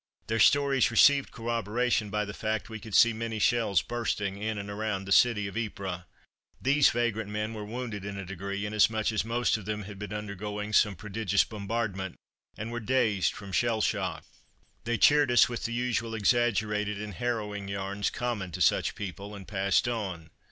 Their stories received corroboration by the fact that we could see many shells bursting in and around the city of Ypres. These vagrant men were wounded in a degree, inasmuch as most of them had been undergoing some prodigious bombardment and were dazed from shell shock. They cheered us with the usual exaggerated and harrowing yarns common to such people, and passed on.